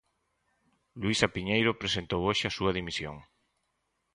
Luisa Piñeiro presentou hoxe a súa dimisión.